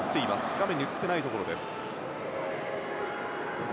画面に映っていないところです。